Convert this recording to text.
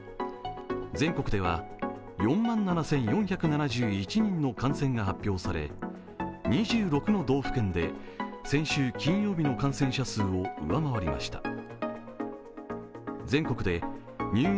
全国では４万７４７１人の感染が発表され、２６の道府県で先週金曜日の感染者数を上回りました。